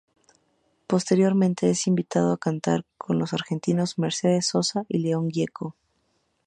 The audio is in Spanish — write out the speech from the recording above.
Posteriormente es invitado a cantar con los argentinos Mercedes Sosa y León Gieco.